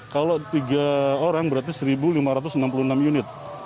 kalau tiga orang berarti satu lima ratus enam puluh enam unit